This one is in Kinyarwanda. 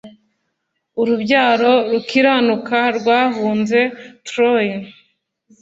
urubyaro rukiranuka rwahunze Troy